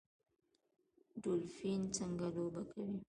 ډولفین څنګه لوبه کوي؟